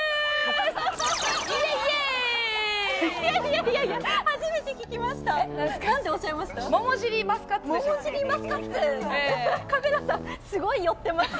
いやいや、初めて聞きました。